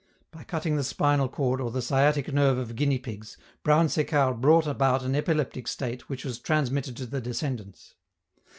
By cutting the spinal cord or the sciatic nerve of guinea pigs, Brown Séquard brought about an epileptic state which was transmitted to the descendants.